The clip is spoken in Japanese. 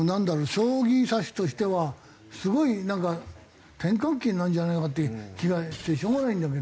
将棋指しとしてはすごいなんか転換期になるんじゃないかって気がしてしょうがないんだけども。